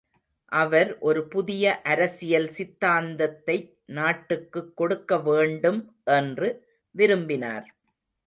அவர் ஒரு புதிய அரசியல் சித்தாந்தத்தை நாட்டுக்குக் கொடுக்க வேண்டும் என்று விரும்பினார்.